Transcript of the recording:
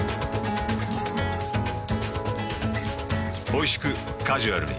おいしくカジュアルに。